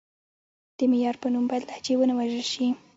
د معیار په نوم باید لهجې ونه وژل شي.